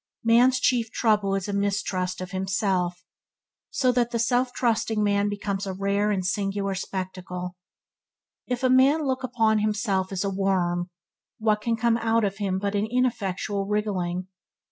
Man's chief trouble is a mistrust of himself, so that the self trusting man becomes a rare and singular spectacle. If a man look upon himself as a "worm", what can come out of him but an ineffectual wriggling.